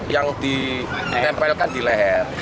yang ditempelkan di leher